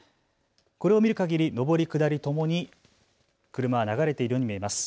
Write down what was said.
これを見るかぎり上り下りともに車、流れているように見えます。